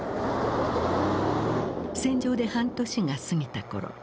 戦場で半年が過ぎた頃。